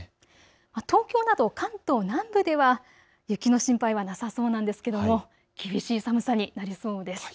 東京など関東南部では雪の心配はなさそうなんですけれども厳しい寒さになりそうです。